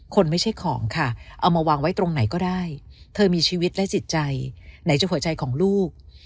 คนไม่ใช่ของค่ะเอามาวางไว้ตรงไหนก็ได้เธอมีชีวิตและจิตใจไหนจะหัวใจของลูก